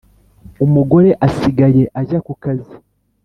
umugore asigaye ajya ku kazi